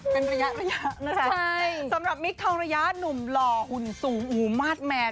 เป็นระยะระยะนะคะใช่สำหรับมิคทองระยะหนุ่มหล่อหุ่นสูงอู๋มาสแมน